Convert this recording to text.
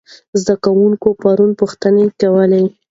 زده کوونکي پرون پوښتنې کولې.